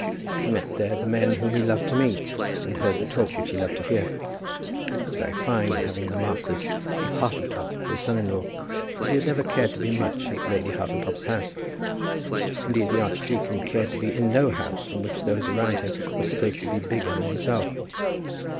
He met there the men whom he loved to meet, and heard the talk which he loved to hear. It was very fine, having the Marquis of Hartletop for his son in law, but he had never cared to be much at Lady Hartletop's house. Indeed, the archdeacon cared to be in no house in which those around him were supposed to be bigger than himself.